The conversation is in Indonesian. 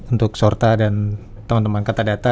untuk sorta dan teman teman kata data